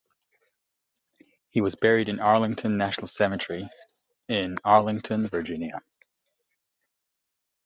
He was buried in Arlington National Cemetery in Arlington, Virginia.